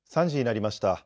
３時になりました。